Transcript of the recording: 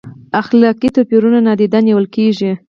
اخلاقي توپیرونه نادیده نیول کیږي؟